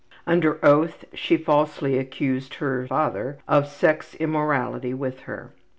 Under oath she falsely accused her ``father'' of sex immorality with her.